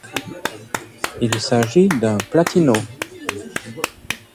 Il s'agit d'un plutino.